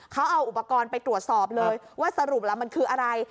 เขาเอาอุปกรณ์ไปตรวจสอบเลยว่าสรุปแล้วมันคืออะไร